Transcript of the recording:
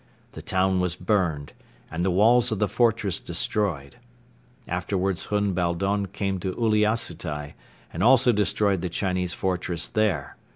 The town was burned and the walls of the fortress destroyed. Afterwards Hun Baldon came to Uliassutai and also destroyed the Chinese fortress there.